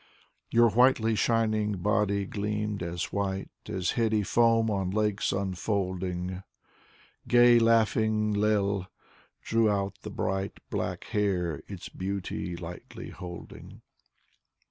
Your whitely shining body gleamed as white As heady foam on lakes unfolding, Gay laughing Lei ^ drew out the bright Black hair, its beauty lightly holding.